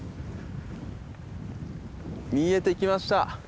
見えてきました。